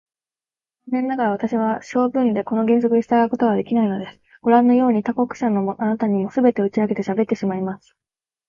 残念ながら、私は性分でこの原則に従うことができないのです。ごらんのように、他国者のあなたにも、すべて打ち明けてしゃべってしまいます。